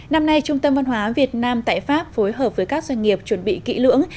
năm nay trung tâm văn hóa việt nam tại pháp phối hợp với các doanh nghiệp chuẩn bị kỹ lưỡng